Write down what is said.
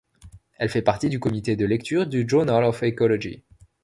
Elle fait partie du comité de lecture du journal of Ecology.